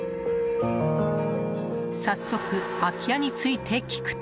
早速、空き家について聞くと。